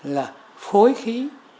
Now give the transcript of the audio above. là phối khí